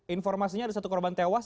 informasinya ada satu korban tewas